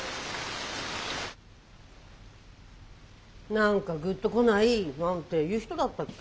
「何かグッとこない」なんて言う人だったっけ？